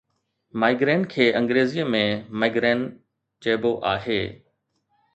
Migraine کي انگريزيءَ ۾ migraine چئبو آهي